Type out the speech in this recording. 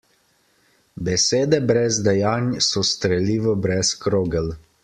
Besede brez dejanj so strelivo brez krogel.